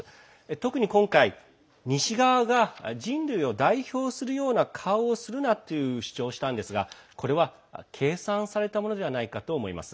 特に、今回、西側が人類を代表するような顔をするなという主張をしたんですがこれは計算されたものじゃないかと思います。